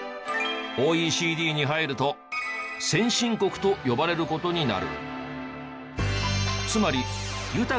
ＯＥＣＤに入ると先進国と呼ばれる事になる。